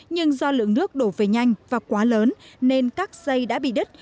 nhưng do lượng nước đổ về nhanh và quá lớn nên các dây đã bị đứt